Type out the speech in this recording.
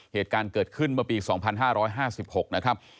เหตุการณ์เกิดขึ้นเมื่อปี๒๕๕๖นะครับ